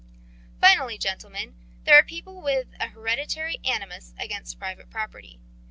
Finally, gentlemen, there are people with an hereditary animus against private property.